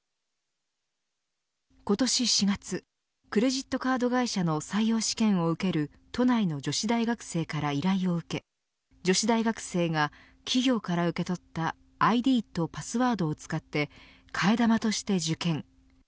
今年４月クレジットカード会社の採用試験を受ける都内の女子大学生から依頼を受け女子大学生が企業から受け取ったＩＤとパスワードを使って替え玉として受験。